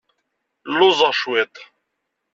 Lluẓeɣ cwiṭ.